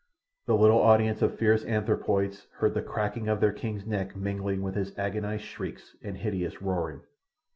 The little audience of fierce anthropoids heard the creaking of their king's neck mingling with his agonized shrieks and hideous roaring.